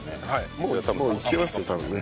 もうきますよね多分ね。